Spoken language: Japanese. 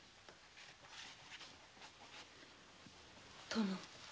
殿。